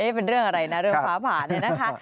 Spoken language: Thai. เป็นเรื่องอะไรนะเรื่องฟ้าผ่าเนี่ยนะคะ